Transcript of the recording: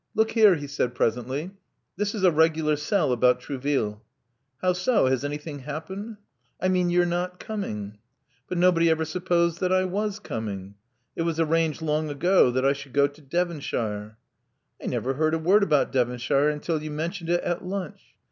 Look here," he said presently. This is a regular sell about Trouville. How so? Has anything happened?" I mean your not coming.*' But nobody ever supposed that I was coming. It was arranged long ago that I should go to Devonshire. "* 'I never heard a word about Devonshire until you mentioned it at lunch.